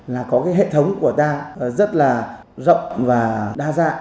là có cái hệ thống của ta rất là rộng và đa dạng